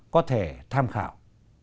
có thể tham khảo